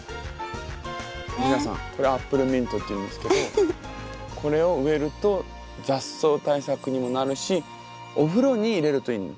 皆さんこれアップルミントっていうんですけどこれを植えると雑草対策にもなるしお風呂に入れるといいんですって。